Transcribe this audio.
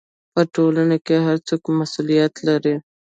په ټولنه کې هر څوک مسؤلیت لري.